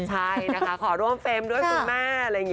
ใช่ขอร่วมเฟรมด้วยคุณแม่